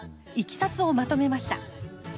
いきさつをまとめました。